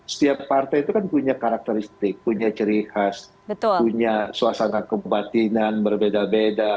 setiap partai itu kan punya karakteristik punya ciri khas punya suasana kebatinan berbeda beda